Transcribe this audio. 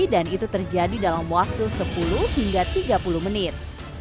dan itu terjadi dalam waktu sepuluh hingga tiga puluh menit